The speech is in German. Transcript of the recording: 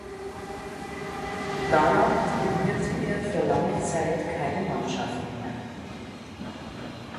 Danach trainierte er für lange Zeit keine Mannschaft mehr.